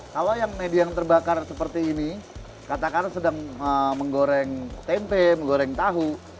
kalau yang media yang terbakar seperti ini katakanlah sedang menggoreng tempe menggoreng tahu